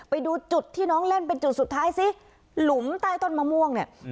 ไปดูจุดที่น้องเล่นเป็นจุดสุดท้ายสิหลุมใต้ต้นมะม่วงเนี่ย